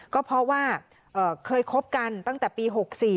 ก็เพราะว่าเคยคบกันตั้งแต่ปี๖๔